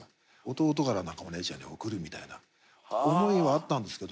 弟から何かお姉ちゃんに贈るみたいな思いはあったんですけど